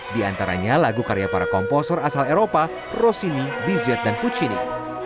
di antaranya lagu karya para komposer asal eropa rossini bizette dan fuchini